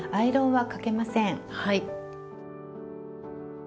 はい。